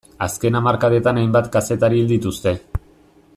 Azken hamarkadetan hainbat kazetari hil dituzte.